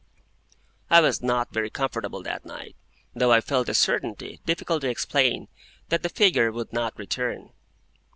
I was not very comfortable that night, though I felt a certainty, difficult to explain, that the figure would not return.